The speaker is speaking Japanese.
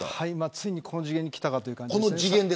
ついに、この次元にきたかという感じです。